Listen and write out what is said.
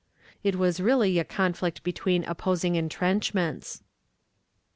It was really a conflict between opposing intrenchments.